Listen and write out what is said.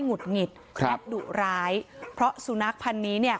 หุดหงิดแอบดุร้ายเพราะสุนัขพันธ์นี้เนี่ย